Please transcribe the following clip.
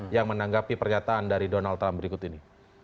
yang menanggapi pernyataan dari donald trump berikut ini